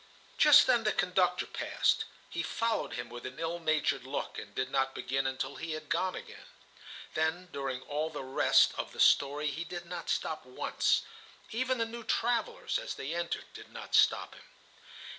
Just then the conductor passed. He followed him with an ill natured look, and did not begin until he had gone again. Then during all the rest of the story he did not stop once. Even the new travellers as they entered did not stop him.